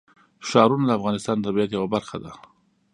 ښارونه د افغانستان د طبیعت یوه برخه ده.